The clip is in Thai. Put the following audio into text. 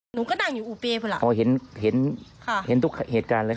หนูก็นั่งอยู่อูเปย์พอหลังอ๋อเห็นเห็นค่ะเห็นทุกเหตุการณ์เลย